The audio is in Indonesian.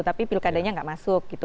tapi pilkadanya nggak masuk gitu